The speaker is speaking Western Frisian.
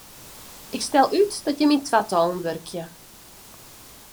Ik stel út dat jimme yn twatallen wurkje.